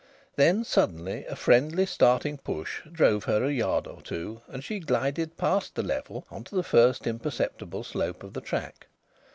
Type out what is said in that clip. Then suddenly a friendly starting push drove her a yard or two, and she glided past the level on to the first imperceptible slope of the track.